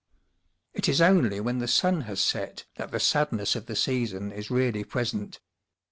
It is only when the sun has set that the sadness of the season is really present.